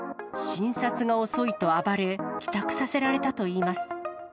診察が遅いと暴れ、帰宅させられたといいます。